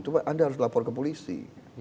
coba anda harus lapor ke polisi